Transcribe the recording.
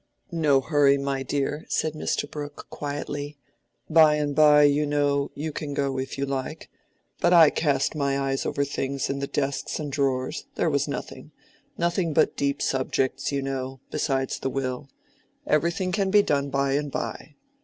"No hurry, my dear," said Mr. Brooke, quietly. "By and by, you know, you can go, if you like. But I cast my eyes over things in the desks and drawers—there was nothing—nothing but deep subjects, you know—besides the will. Everything can be done by and by.